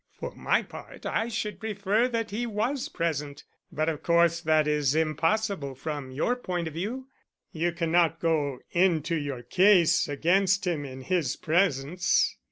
For my part, I should prefer that he was present, but of course that is impossible from your point of view. You cannot go into your case against him in his presence."